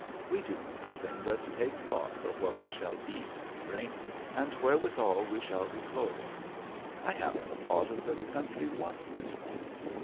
We do nothing but take thought for what we shall eat and drink and wherewithal we shall be clothed. I haven't thought of the country once this morning.